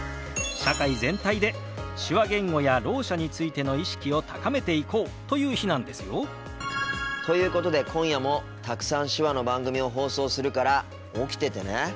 社会全体で手話言語やろう者についての意識を高めていこうという日なんですよ。ということで今夜もたくさん手話の番組を放送するから起きててね。